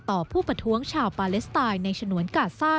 ต่อผู้ประท้วงชาวปาเลสไตน์ในฉนวนกาซ่า